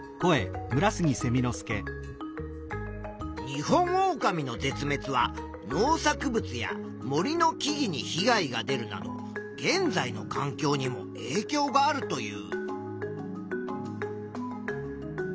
ニホンオオカミの絶滅は農作物や森の木々にひ害が出るなど現在のかん境にもえいきょうがあるという。